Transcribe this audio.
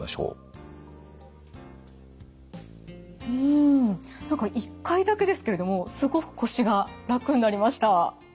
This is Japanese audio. うん何か１回だけですけれどもすごく腰が楽になりました。